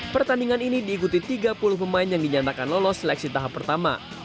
pertandingan ini diikuti tiga puluh pemain yang dinyatakan lolos seleksi tahap pertama